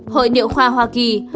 hội niệu khoa hoa kỳ